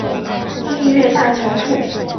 蜜月大桥处。